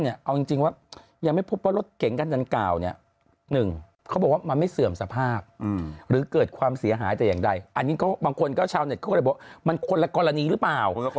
เอาจริงว่ายังไม่พบว่ารถเก๋งกันดันก่าว